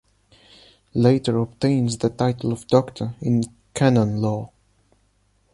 Later obtains the title of Doctor in Canon Law.